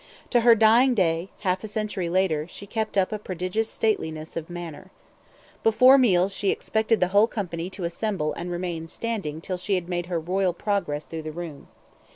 To her dying day, half a century later, she kept up a prodigious stateliness of manner. Before meals she expected the whole company to assemble and remain standing till she had made her royal progress through the room.